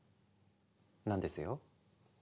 なんですよ。